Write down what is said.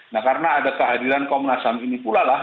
nah karena ada kehadiran komunasam ini pula lah